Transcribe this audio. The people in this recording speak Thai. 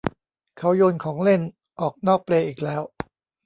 เขาโยนของเล่นออกนอกเปลอีกแล้ว